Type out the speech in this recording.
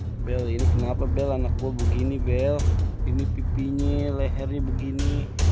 hai beli kenapa bel anakku begini bel ini pipinya lehernya begini